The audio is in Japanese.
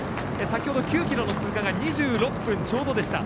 先ほど９ｋｍの通過が２６分ちょうどでした。